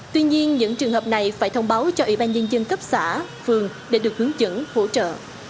tuy nhiên những trường hợp này phải thông báo cho ủy ban nhân dân cấp xã phường để được hướng dẫn hỗ trợ